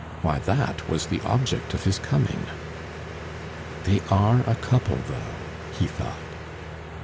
Why, that was the object of his coming. "They are a couple, though!" he thought.